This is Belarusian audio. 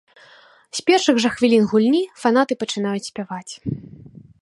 З першых жа хвілін гульні фанаты пачынаюць спяваць.